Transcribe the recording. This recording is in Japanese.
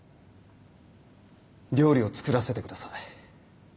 料理を作らせてください。